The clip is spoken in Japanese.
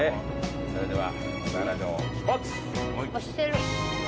それでは。